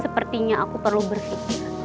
sepertinya aku perlu berpikir